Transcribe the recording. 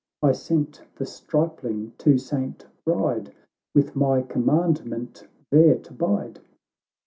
I sent the stripling to Saint Bride, With my commandment there to bide."